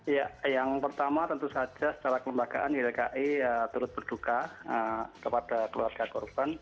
ya yang pertama tentu saja secara kelembagaan ylki turut berduka kepada keluarga korban